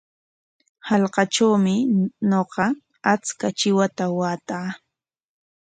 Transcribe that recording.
Hallqatrawmi ñuqa achka chiwata waataa.